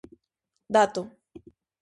Dato.